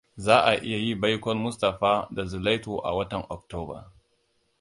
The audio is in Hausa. Za a yi baikon Mustapha da Zulaitu a watan Oktoba.